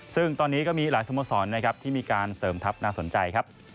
ซึ่งตอนนี้ก็มีหลายสโมสรนะครับที่มีการเสริมทัพน่าสนใจครับ